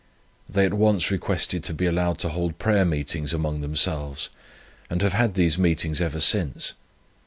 They at once requested to be allowed to hold prayer meetings among themselves, and have had these meetings ever since.